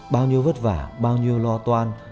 bao nhiêu vất vả bao nhiêu lo toan